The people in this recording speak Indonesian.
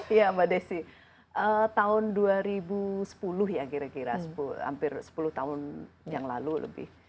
iya mbak desi tahun dua ribu sepuluh ya kira kira hampir sepuluh tahun yang lalu lebih